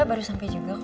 baru sampai juga kok